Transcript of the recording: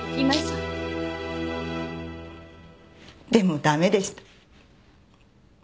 でもダメでした。